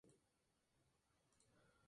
Deeds Goes to Town", Mr.